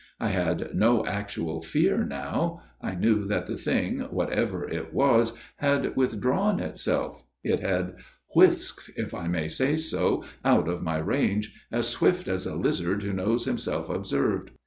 I had no actual fear now ; I knew that the thing, whatever it was, had withdrawn itself it had whisked, if I may say so, out of my range, as swift as a lizard who knows himself observed.